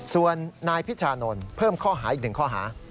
ส่วนนายพิชานนท์เพิ่มข้อหาอีก๑ข้อหา